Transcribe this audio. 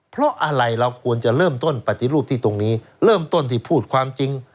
เพราะอะไรเราควรจะเริ่มต้นปฏิรูปที่ตรงนี้เริ่มต้นที่พูดความจริง